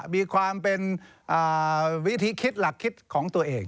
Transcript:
มีความเป็นวิธีคิดหลักคิดของตัวเอง